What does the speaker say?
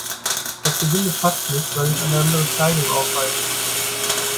Das Gewinde passt nicht, weil es eine andere Steigung aufweist.